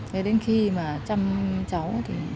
thế đến khi mà chăm cháu